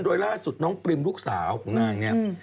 โดยล่าสุดน้องปริมลูกสาวของนางเนี่ย